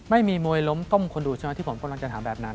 ไม่มีมวยล้มต้มคนดูใช่ไหมที่ผมกำลังจะถามแบบนั้น